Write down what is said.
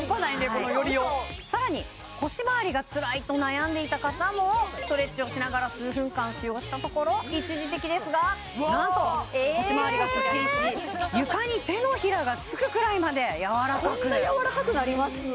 この寄りようさらに腰まわりがつらいと悩んでいた方もストレッチをしながら数分間使用したところ一時的ですがなんと腰まわりがスッキリし床に手のひらがつくくらいまでやわらかくこんなやわらかくなります？